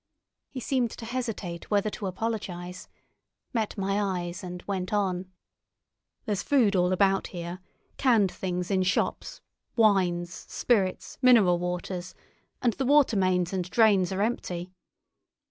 He seemed to hesitate whether to apologise, met my eyes, and went on: "There's food all about here. Canned things in shops; wines, spirits, mineral waters; and the water mains and drains are empty.